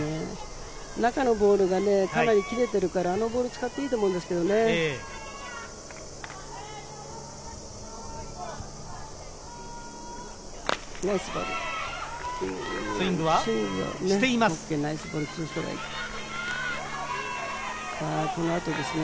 中のボールがかなり切れているからあのボールを使っていいと思うんですよね。